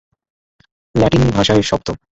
Latin ভাষায় শব্দ।